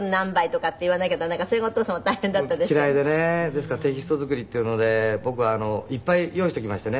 ですからテキスト作りっていうので僕はいっぱい用意しておきましてね